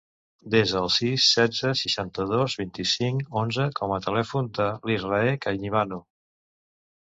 Desa el sis, setze, seixanta-dos, vint-i-cinc, onze com a telèfon de l'Israe Cañibano.